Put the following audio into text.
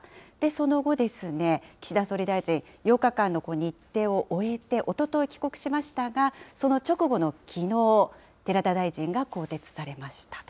その後、岸田総理大臣、８日間の日程を終えて、おととい帰国しましたが、その直後のきのう、寺田大臣が更迭されました。